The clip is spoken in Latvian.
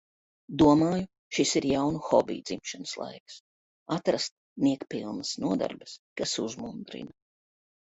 Domāju – šis ir jaunu hobiju dzimšanas laiks. Atrast niekpilnas nodarbes, kas uzmundrina.